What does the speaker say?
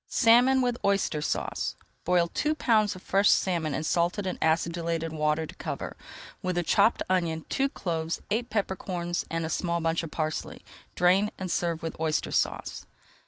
SALMON WITH OYSTER SAUCE Boil two pounds of fresh salmon in salted and acidulated water to cover, with a chopped onion, two cloves, eight pepper corns, and a small bunch of parsley. Drain, and serve with Oyster Sauce.